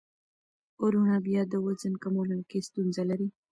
وروڼه بیا د وزن کمولو کې ستونزه لري.